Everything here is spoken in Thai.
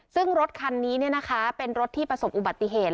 ซึ่งรถคันนี้เป็นรถที่ประสบอุบัติเหตุ